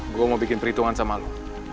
gue mau bikin perhitungan sama lo